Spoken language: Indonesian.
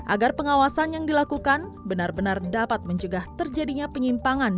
agar pengawasan yang dilakukan benar benar dapat mencegah terjadinya penyimpangan